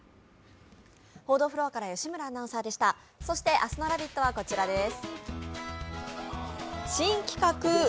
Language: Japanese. そして明日の「ラヴィット！」はこちらです。